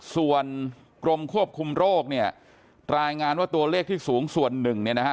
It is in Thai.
ส่วนกรมควบคุมโรคเนี่ยรายงานว่าตัวเลขที่สูงส่วนหนึ่งเนี่ยนะฮะ